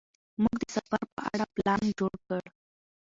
موږ د سفر په اړه پلان جوړ کړ.